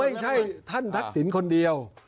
ไม่ใช่ท่านทักษิณคนเดียว